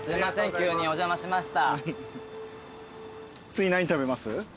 急にお邪魔しました。